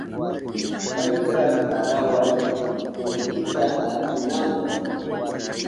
Payka tarawan kullkita apinanpa.